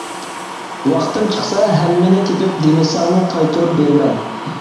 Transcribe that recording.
ۋاقتىم چىقسا ھەممىنى تېپىپ دېمىسەڭمۇ قايتۇرۇپ بېرىمەن.